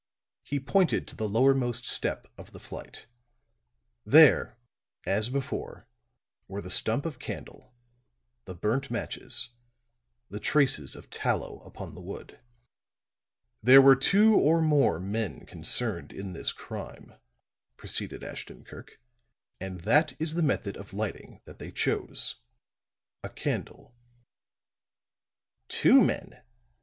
He pointed to the lowermost step of the flight; there, as before, were the stump of candle, the burnt matches, the traces of tallow upon the wood. "There were two or more men concerned in this crime," proceeded Ashton Kirk, "and that is the method of lighting that they chose a candle." "Two men!